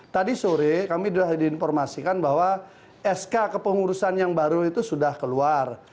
tadi sore kami sudah diinformasikan bahwa sk kepengurusan yang baru itu sudah keluar